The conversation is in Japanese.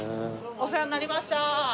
お世話になりました。